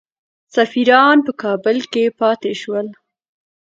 سفیران په کابل کې پاته شول.